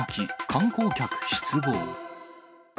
観光客、失望。